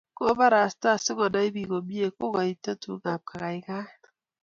Kobarasta asikonai bik komie kokoito tugukab kakaikaet